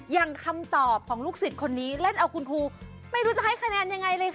อย่างคำตอบของลูกศิษย์คนนี้เล่นเอาคุณครูไม่รู้จะให้คะแนนยังไงเลยค่ะ